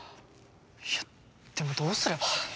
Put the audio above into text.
いやでもどうすれば。